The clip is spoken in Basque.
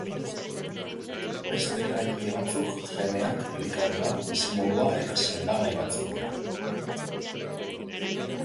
Beste eragile batzuk geneak, elikadura, bizimodua eta sendagai batzuk dira.